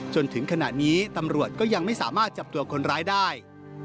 จนถึงขณะนี้ตำรวจก็ยังไม่สามารถจับตัวคนร้ายได้